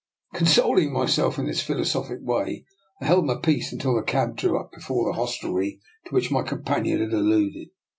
Consoling myself in this philosophic way, I held my peace until the cab drew up before the hostelry to which my companion had alluded.